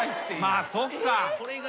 まあそっか。